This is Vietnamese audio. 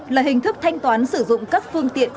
là hình thức thanh toán sử dụng các phương tiện